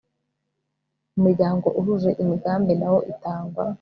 muryango uhuje imigambi na wo itangwa